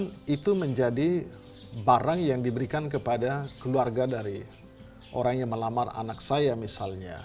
dan itu menjadi barang yang diberikan kepada keluarga dari orang yang melamar anak saya misalnya